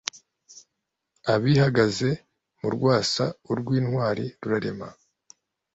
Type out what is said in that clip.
Abihagaze mu rwasa urw' intwari rurarema,